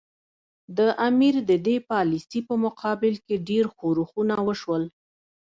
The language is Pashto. د امیر د دې پالیسي په مقابل کې ډېر ښورښونه وشول.